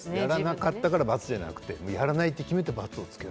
やらなかったから×じゃなくてやらないと決めて×をつける。